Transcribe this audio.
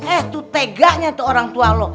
eh tuh tegaknya tuh orang tua lo